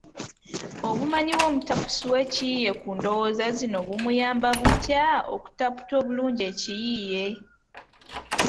Obumanyi bw’omutapusi w’ekiyiiye ku ndowooza zino bumuyamba butya okutaputa obulungi ekiyiiye?